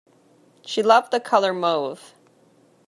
She loved the color mauve.